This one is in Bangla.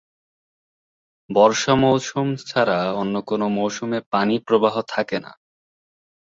বর্ষা মৌসুম ছাড়া অন্য কোন মৌসুমে পানি প্রবাহ থাকে না।